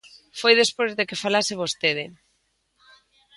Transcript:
Foi despois de que falase vostede.